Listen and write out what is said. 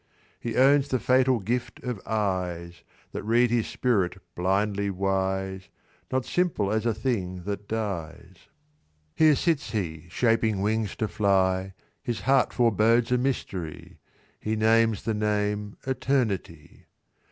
"He owns the fatal gift of eyes, That read his spirit blindly wise, Not simple as a thing that dies. "Here sits he shaping wings to fly: His heart forebodes a mystery: He names the name Eternity.